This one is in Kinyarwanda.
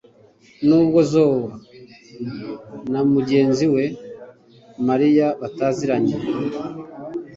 Nubwo Zoe na mugenzi we María bataziranye